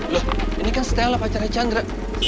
loh ini kan stella pacarnya chandra